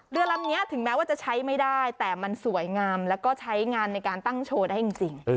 เรือลำนี้ถึงแม้ว่าจะใช้ไม่ได้แต่มันสวยงามแล้วก็ใช้งานในการตั้งโชว์ได้จริง